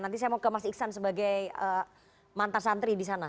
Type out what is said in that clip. nanti saya mau ke mas iksan sebagai mantan santri di sana